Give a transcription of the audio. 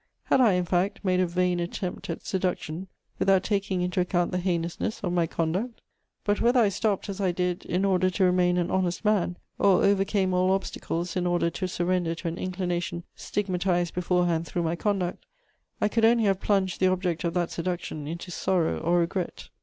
Had I, in fact, made a vain attempt at seduction, without taking into account the heinousness of my conduct? But whether I stopped, as I did, in order to remain an honest man, or overcame all obstacles in order to surrender to an inclination stigmatized beforehand through my conduct, I could only have plunged the object of that seduction into sorrow or regret.